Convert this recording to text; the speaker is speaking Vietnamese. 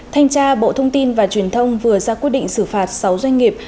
thanh tra bộ thông tin và truyền thông vừa ra quyết định xử phạt sáu doanh nghiệp